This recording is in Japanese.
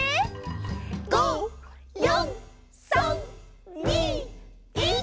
「５、４、３、２、１」